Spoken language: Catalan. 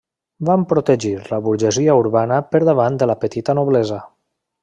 Van protegir la burgesia urbana per davant de la petita noblesa.